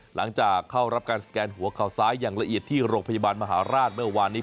หลังจากเข้ารับการสแกนหัวข่าวซ้ายอย่างละเอียดที่โรงพยาบาลมหาราชเมื่อวานนี้